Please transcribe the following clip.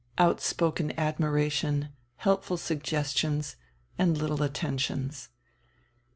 outspoken admiration, helpful suggestions, and little attentions.